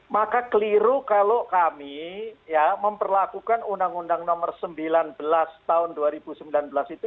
maka keliru kalau kami memperlakukan undang undang nomor sembilan belas tahun dua ribu sembilan belas itu